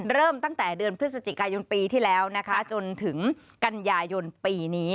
เริ่มตั้งแต่เดือนพฤศจิกายนปีที่แล้วนะคะจนถึงกันยายนปีนี้